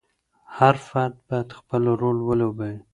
هر فرد باید خپل رول ولوبوي.